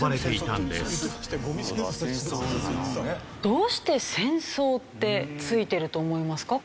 どうして「戦争」ってついてると思いますか？